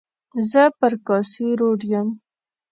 زه پر کاسي روډ یم.